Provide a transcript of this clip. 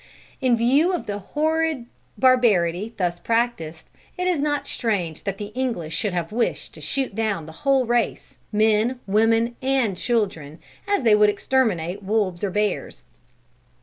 In view of the horrid barbarity thus practised, it is not strange that the English should have wished to shoot down the whole race, men, women, and children, as they would exterminate wolves or bears.